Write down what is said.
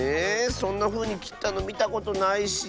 そんなふうにきったのみたことないし。